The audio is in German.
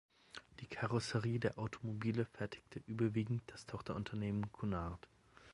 Die Karosserien der Automobile fertigte überwiegend das Tochterunternehmen Cunard.